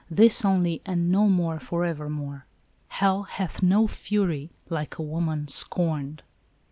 This only, and no more forevermore." " Hell hath no fury like a woman scorned."